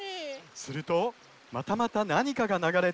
するとまたまたなにかがながれてきます。